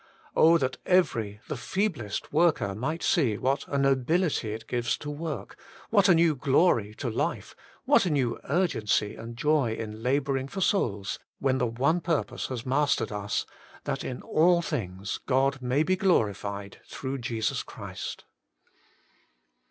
Oh ! that every, the feeblest, worker might see what a nobility it gives to work, ^vhat a new glory to life, what a new ur Working for God i6i gency and joy in labouring for souls, when the one purpose has mastered us : that in all things God may be glorified through Jesus Christ.